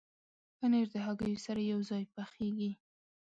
پنېر د هګیو سره یوځای پخېږي.